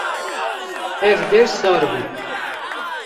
her der sar bû.